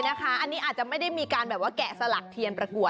ขอบคุณครูวัทธิวัทธิ์เธอนี้อาจจะไม่ได้มีการแบบว่าแกะสลักเทียนประกัว